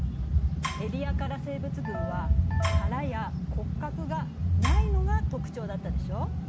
エディアカラ生物群は殻や骨格がないのが特徴だったでしょ？